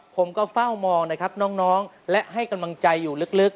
ผมก็เฝ้ามองนะครับน้องและให้กำลังใจอยู่ลึก